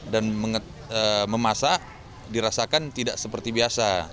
dan memasak dirasakan tidak seperti biasa